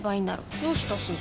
どうしたすず？